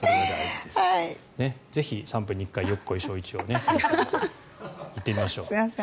ぜひ、３分に１回よっこいしょういちを言ってみましょう。